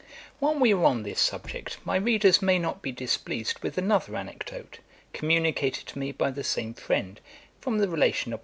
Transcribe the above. While we are on this subject, my readers may not be displeased with another anecdote, communicated to me by the same friend, from the relation of Mr. Hogarth.